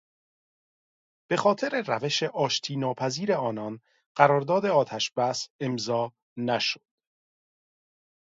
به خاطر روش آشتیناپذیر آنان قرار داد آتشبس امضا نشد.